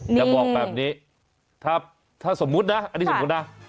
จะบอกแบบนี้ถ้าสมมุตินะอันนี้สมมุตินะ